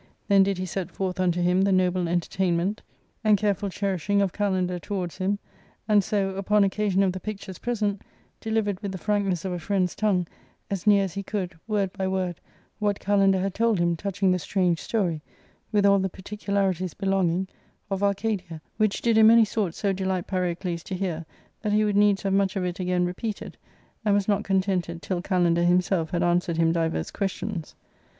Then did he set forth unto him the noble entertainment and careful A ARCADIA.Sook I. ■ 45 cherishing of Kalander towards him, and so, upon occasion of the pictures present, delivered with theVfrankness of a friend's tongue, as near as he could, word by word what Kalander had told him touching the strange story, with all the particularities belonging, of Arcadia ; which did in many ^^^ sorts so delight Pyrocles to hear that he would needs have ^"r much of it again repeated, and was not contented till Kalander himself had answered him divers questions.